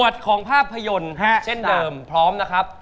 สะนสู้